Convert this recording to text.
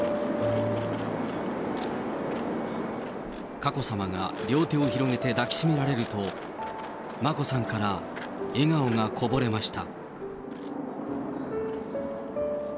佳子さまが両手を広げて抱き締められると、眞子さんから笑顔がこぼれました。